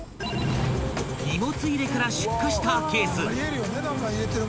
［荷物入れから出火したケース］